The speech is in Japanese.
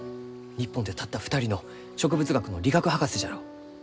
日本でたった２人の植物学の理学博士じゃろう！